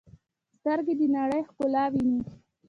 سترګې د نړۍ ښکلا ویني.